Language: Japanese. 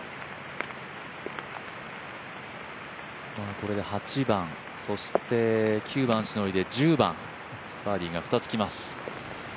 これで８番９番しのいで１０番バーディーが２つきます。